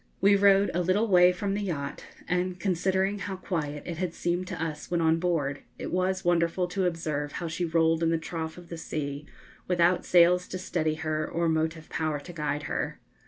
We rowed a little way from the yacht, and, considering how quiet it had seemed to us when on board, it was wonderful to observe how she rolled in the trough of the sea, without sails to steady her or motive power to guide her.